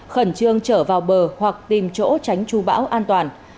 khẩn trương trở vào bờ hoặc tìm chỗ tránh chú bão an toàn